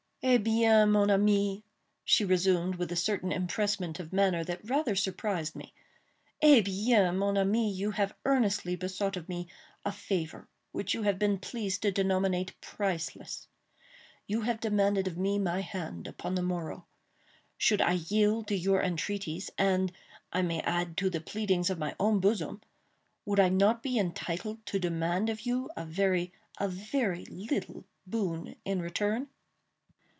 "Eh bien! mon ami," she resumed with a certain empressment of manner that rather surprised me—"Eh bien! mon ami, you have earnestly besought of me a favor which you have been pleased to denominate priceless. You have demanded of me my hand upon the morrow. Should I yield to your entreaties—and, I may add, to the pleadings of my own bosom—would I not be entitled to demand of you a very—a very little boon in return?"